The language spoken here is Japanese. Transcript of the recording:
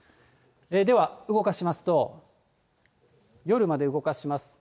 では動かしますと、夜まで動かします。